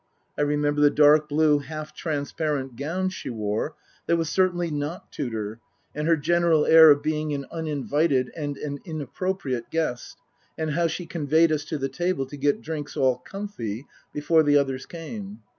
I remember the dark blue half transparent gown she wore that was certainly not Tudor, and her general air of being an uninvited and in appropriate guest, and how she convoyed us to the table to get drinks " all comfy " before the others came.